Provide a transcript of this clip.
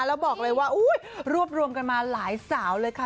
แล้วรวบรวมกันมาหลายสาวเลยค่ะ